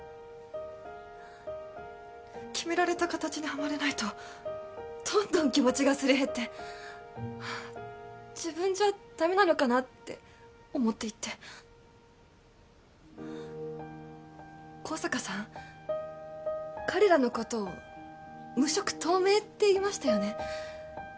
決められた形にハマれないとどんどん気持ちがすり減って自分じゃダメなのかなって思っていって香坂さん彼らのことを無色透明って言いましたよね？